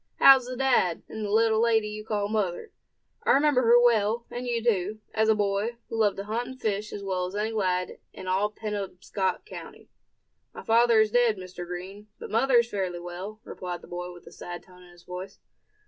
How's the dad, and the little lady you call mother? I remember her well; and you too, as a boy who loved to hunt and fish as well as any lad in all Penobscot county." "My father is dead, Mr. Green; but mother is fairly well," replied the boy, with a sad tone to his voice.